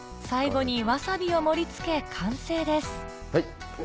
最後にわさびを盛り付け完成ですはい！